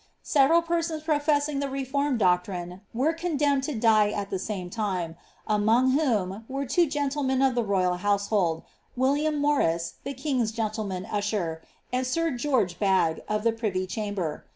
Several persons professing the reformeil doctrine, were condemned to die at the same lime, among whom were two gentlemen of the royal household, William Morice, the king^s gen tleman usher, and sir George Blagge, of the privy chamber.